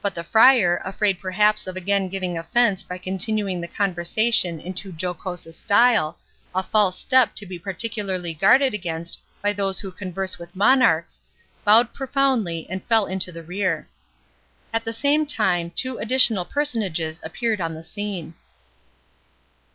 But the Friar, afraid perhaps of again giving offence by continuing the conversation in too jocose a style—a false step to be particularly guarded against by those who converse with monarchs—bowed profoundly, and fell into the rear. At the same time, two additional personages appeared on the scene.